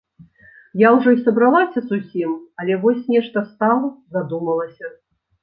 Я ўжо і сабралася зусім, але вось нешта стала, задумалася.